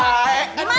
ya bener baik